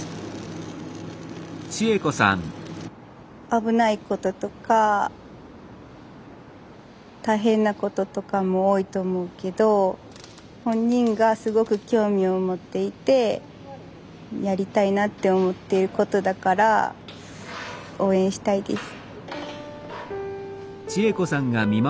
危ないこととか大変なこととかも多いと思うけど本人がすごく興味を持っていてやりたいなって思ってることだから応援したいです。